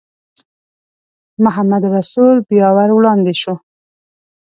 محمدرسول بیا ور وړاندې شو.